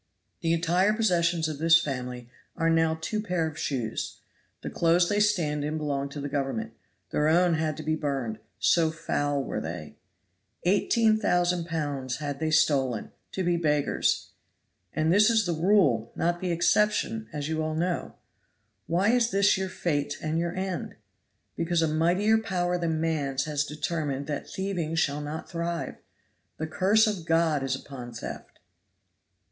The entire possessions of this family are now two pair of shoes. The clothes they stand in belong to Government; their own had to be burned, so foul were they. Eighteen thousand pounds had they stolen to be beggars; and this is the rule, not the exception, as you all know. Why is this your fate and your end? Because a mightier power than man's has determined that thieving shall not thrive. The curse of God is upon theft!"